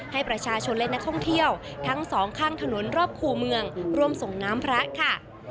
ให้ประชาชนและนักท่องเที่ยวทั้งสองข้างถนนรอบคู่เมืองร่วมส่งน้ำพระค่ะ